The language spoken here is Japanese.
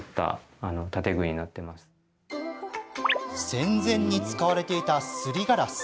戦前に使われていた、すりガラス。